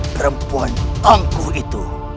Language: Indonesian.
perempuan ku itu